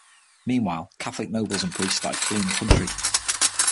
Meanwhile, Catholic nobles and priests started fleeing the country.